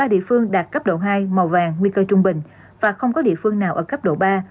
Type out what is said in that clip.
ba địa phương đạt cấp độ hai màu vàng nguy cơ trung bình và không có địa phương nào ở cấp độ ba